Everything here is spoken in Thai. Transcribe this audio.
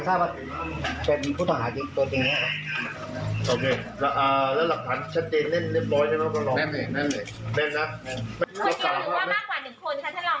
แกอยากรู้รึเปล่าผู้ต้องหากินตัวแน่นะ